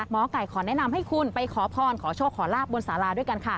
หมอไก่ขอแนะนำให้คุณไปขอพรขอโชคขอลาบบนสาราด้วยกันค่ะ